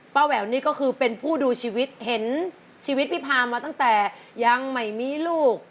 แหววนี่ก็คือเป็นผู้ดูชีวิตเห็นชีวิตพี่พามาตั้งแต่ยังไม่มีลูก